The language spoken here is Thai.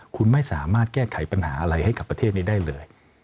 คุณไม่สามารถแก้ไขปัญหาอะไรให้กับประเทศนี้ได้เลย